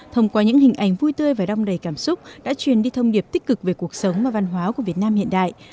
thông qua những hình ảnh vui tươi và đong đầy cảm xúc đã truyền đi thông điệp tích cực về cuộc sống và văn hóa của việt nam hiện đại